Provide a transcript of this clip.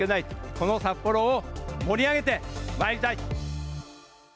この札幌を盛り上げてまいりたい。